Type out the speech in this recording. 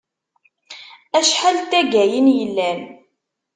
Acḥal n taggayin yellan?